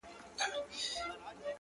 • سهار ډکه هدیره سي له زلمیو شهیدانو ,